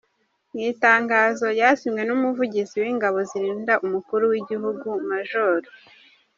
Mu itangazo ryasinywe n’Umuvugizi w’Ingabo zirinda Umukuru w’igihugu, Maj.